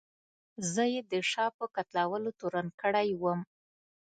زه یې د شاه په قتلولو تورن کړی وم.